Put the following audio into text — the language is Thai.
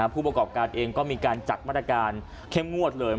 ผู้ประกอบการเองก็มีการจัดมาตรการเข้มงวดเลย